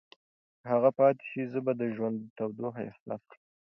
که هغه پاتې شي، زه به د ژوند تودوخه احساس کړم.